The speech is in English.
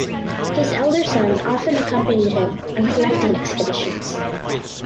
His elder son often accompanied him on collecting expeditions.